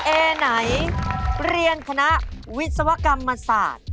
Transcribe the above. เอไหนเรียนคณะวิศวกรรมศาสตร์